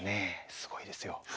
すごいですよ。